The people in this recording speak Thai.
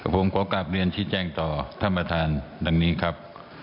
ผมขอกลับเรียนชี้แจงต่อท่านประธานดังนี้ครับ